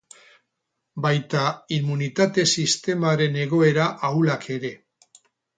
Baita immunitate-sistemaren egoera ahulak ere.